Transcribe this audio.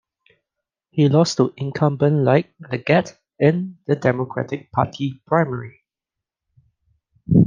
He lost to incumbent Ike Leggett in the Democratic Party primary.